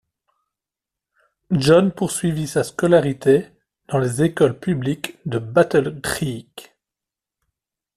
John poursuivit sa scolarité dans les écoles publiques de Battle Creek.